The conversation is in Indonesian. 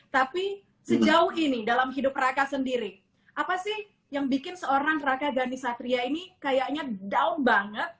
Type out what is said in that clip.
tapi sejauh ini dalam hidup raka sendiri apa sih yang bikin seorang raka ghani satria ini kayaknya down banget